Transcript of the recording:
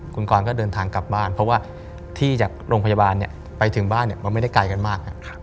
คุณกรก็เดินทางกลับบ้านเพราะว่าที่จากโรงพยาบาลไปถึงบ้านมันไม่ได้ไกลกันมาก